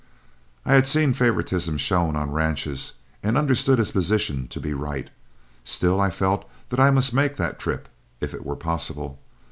I had seen favoritism shown on ranches, and understood his position to be right. Still I felt that I must make that trip if it were possible.